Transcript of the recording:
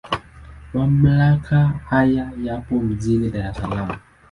Mamlaka haya yapo mjini Dar es Salaam.